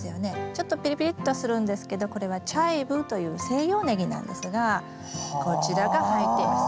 ちょっとピリピリっとするんですけどこれはチャイブという西洋ネギなんですがこちらが入っています。